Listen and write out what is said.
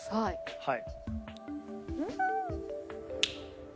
はい。